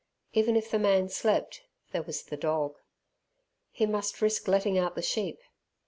Even if the man slept, there was the dog. He must risk letting out the sheep.